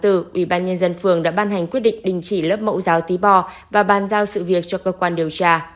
ủy ban nhân dân phường đã ban hành quyết định đình chỉ lớp mẫu giáo tí b bò và bàn giao sự việc cho cơ quan điều tra